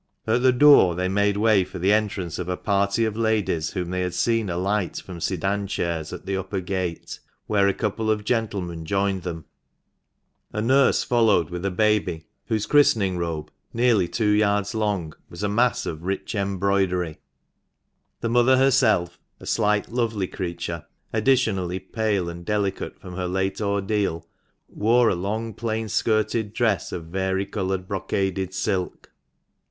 At the door they made way for the entrance of a party of ladies, whom they had seen alight from sedan chairs at the upper gate, where a couple of gentlemen joined them. A nurse followed, with a baby, whose christening robe, nearly two yards * Properly. THE MANCHESTER MAN. 23 long, was a mass of rich embroidery. The mother herself, — a slight, lovely creature, additionally pale and delicate from her late ordeal — wore a long, plain skirted dress of vari coloured brocaded silk.